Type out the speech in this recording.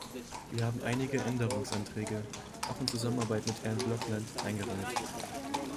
Wir haben einige Änderungsanträge, auch in Zusammenarbeit mit Herrn Blokland, eingereicht.